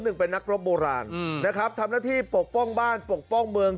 หนึ่งเป็นนักรบโบราณนะครับทำหน้าที่ปกป้องบ้านปกป้องเมือง